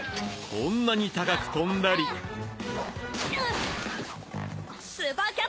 こんなに高く跳んだりうっ！